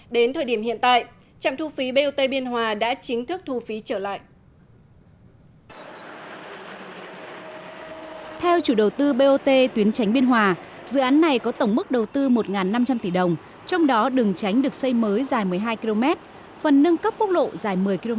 đến thời điểm hiện tại trạm thu phí bot biên hòa đã chính thức thu phí trở lại